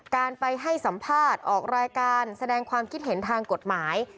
การไปให้สัมภาษณ์ออกรายการแสดงความคิดเห็นทางกฎหมาย